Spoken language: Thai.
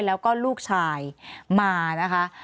แล้วก็ลูกชายมานะคะ